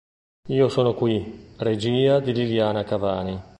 Io sono qui", regia di Liliana Cavani.